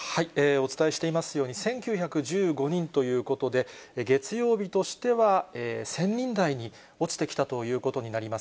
お伝えしていますように、１９１５人ということで、月曜日としては１０００人台に落ちてきたということになります。